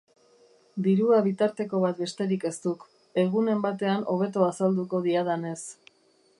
Dirua bitarteko bat besterik ez duk, egunen batean hobeto azalduko diadanez.